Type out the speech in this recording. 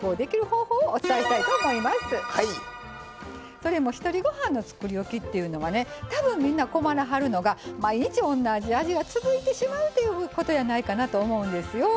それもひとりごはんのつくりおきっていうのはね多分みんな困らはるのが毎日同じ味が続いてしまうということやないかなと思うんですよ。